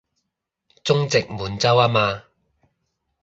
中殖滿洲吖嘛